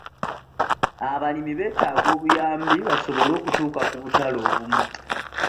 Abalimi beetaaga obuyambi basobole okutuuka ku butale obumu